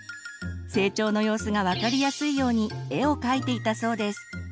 成長の様子が分かりやすいように絵をかいていたそうです。